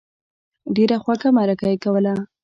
ډېره خوږه مرکه یې کوله.